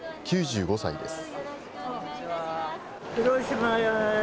９５歳です。